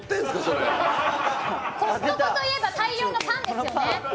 コストコといえば大量のパンですよね。